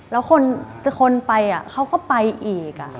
แล้วคนไปเขาก็ไปอีก